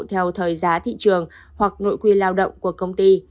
theo thời giá thị trường hoặc nội quy lao động của công ty